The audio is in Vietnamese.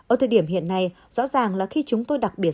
ở thời điểm hiện nay rõ ràng là khi chúng tôi đặc biệt